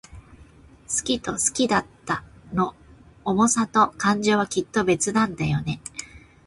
好きと好きだったの想さと感情は、きっと別なんだよね。